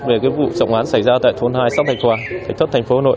về vụ trọng án xảy ra tại thôn hai sông thạch hòa thạch thất thành phố hồ nội